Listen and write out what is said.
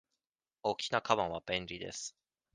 大きなかばんは便利です。